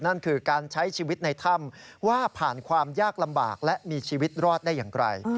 นั่นคือการใช้ชีวิตในถ้ำว่าผ่านความยากลำบากและมีชีวิตรอดได้อย่างไร